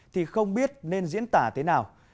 thì không biết nên diễn tả thế nào